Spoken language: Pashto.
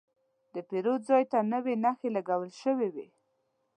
د پیرود ځای ته نوې نښې لګول شوې وې.